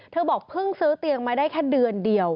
บอกเพิ่งซื้อเตียงมาได้แค่เดือนเดียว